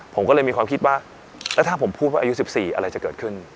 ผมก็เลยมีความคิดว่าแล้วถ้าผมพูดว่าอายุ๑๔อะไรจะเกิดขึ้น